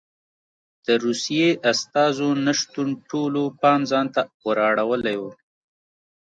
د روسیې استازو نه شتون ټولو پام ځان ته ور اړولی و